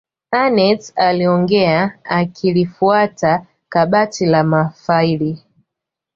aneth aliongea akilifuata kabati la mafaili